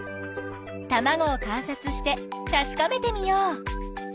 たまごを観察してたしかめてみよう。